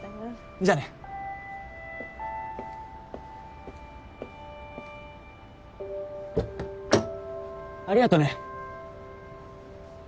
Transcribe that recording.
じゃあね。ありがとね。